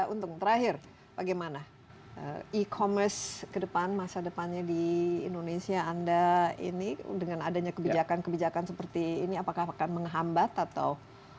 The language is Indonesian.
untung terakhir bagaimana e commerce ke depan masa depannya di indonesia anda ini dengan adanya kebijakan kebijakan seperti ini apakah akan menghambat atau